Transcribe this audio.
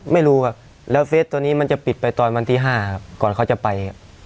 ไม่รู้ครับแล้วเฟสตัวนี้มันจะปิดไปตอนวันที่๕ครับก่อนเขาจะไปครับ